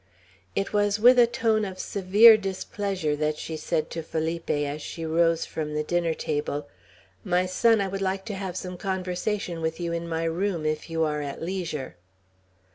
It was with a tone of severe displeasure that she said to Felipe, as she rose from the dinner table, "My son, I would like to have some conversation with you in my room, if you are at leisure."